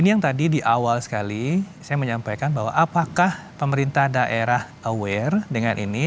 ini yang tadi di awal sekali saya menyampaikan bahwa apakah pemerintah daerah aware dengan ini